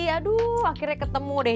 aduh akhirnya ketemu deh